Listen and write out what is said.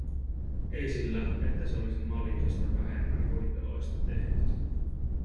Ei sillä, että se olisi Malikista vähemmän ruipeloista tehnyt.